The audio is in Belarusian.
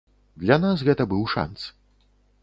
Для нас гэта быў шанц.